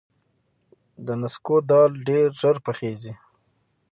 د نسکو دال ډیر ژر پخیږي.